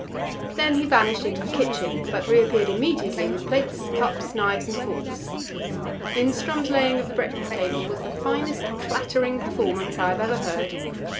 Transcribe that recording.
Then he vanished into the kitchen, but reappeared immediately with plates, cups, knives and forks. Lindström's laying of the breakfast table was the finest clattering performance I have ever heard.